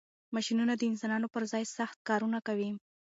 ماشینونه د انسانانو پر ځای سخت کارونه کوي.